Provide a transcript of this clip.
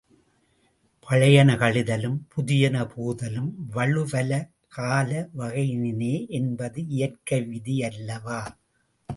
பழையன கழிதலும் புதியன புகுதலும் வழுவல காலவகையினுனே என்பது இயற்கை விதி அல்லவா?